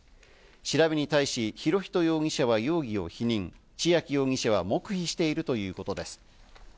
調べに対し博仁容疑者は容疑を否認、千秋容疑者は黙秘しているということです。